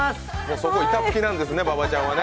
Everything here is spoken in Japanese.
そこに板付きなんですね、馬場ちゃんはね。